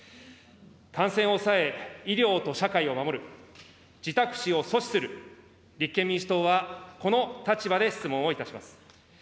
感染を抑え、医療と社会を守る、自宅死を阻止する、立憲民主党は、この立場で質問をいたします。